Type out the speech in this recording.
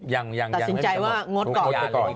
ยังไม่ได้จำนวนส่วนใหญ่อีกกว่าคือของเขาไม่ติดตามสถานการณ์